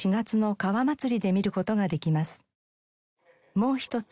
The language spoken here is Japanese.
もう一つ